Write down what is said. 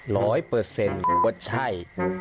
ร้อยเปอร์เซ็นต์ว่าใช่